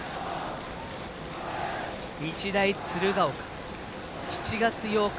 日大鶴ヶ丘、７月８日